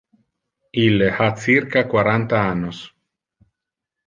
Ille ha circa quaranta annos.